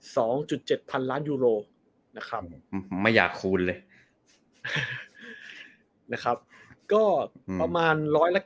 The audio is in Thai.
สองจุดเจ็ดพันล้านยูโรนะครับไม่อยากคูณเลย